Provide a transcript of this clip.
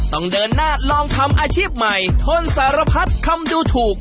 ต้องเดินหน้าลองทำอาชีพใหม่ทนสารพัดคำดูถูก